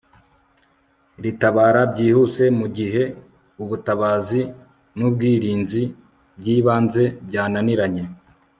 ritabara byihuse mu gihe ubutabazi n'ubwirinzi by'ibanze byananiranye